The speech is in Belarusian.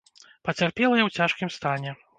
Пацярпелыя ў цяжкім стане.